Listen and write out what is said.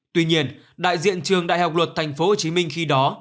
tuy nhiên đại diện trường đại học luật tp hcm khi đó